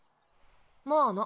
まあな。